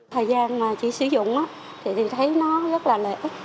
thời gian chị sử dụng thì thấy nó rất là lợi ích